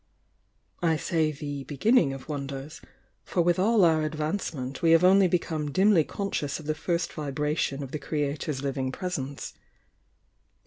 I say the 'beginnmg of won ders,' for with all our advancement we have only become dimly conscious of the first vibration of the Creator's living presence.